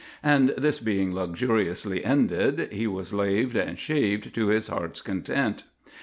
And this being luxuriously ended, he was laved and shaved to his heart's content.